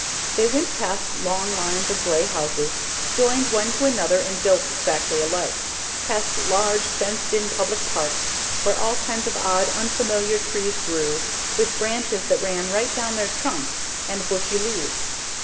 They went past long lines of grey houses, joined one to another and built exactly alike; past large, fenced in public parks where all kinds of odd, unfamiliar trees grew, with branches that ran right down their trunks, and bushy leaves.